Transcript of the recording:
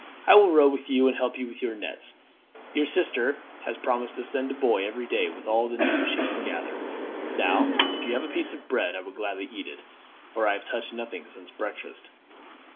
I will row with you and help you with your nets. Your sister has promised to send a boy every day with all the news she can gather. Now, if you have a piece of bread I will gladly eat it, for I have touched nothing since breakfast."